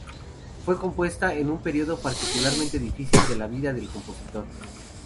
Fue compuesta en un período particularmente difícil de la vida del compositor.